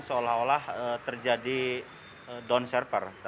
seolah olah terjadi down server